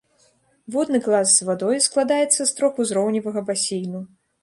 Водны клас з вадой складаецца з трохузроўневага басейну.